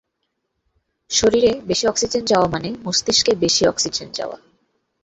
শরীরে বেশি অক্সিজেন যাওয়া মানে মস্তিষ্কে বেশি অক্সিজেন যাওয়া।